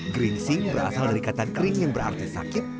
geringsing berasal dari kata kering yang berarti sakit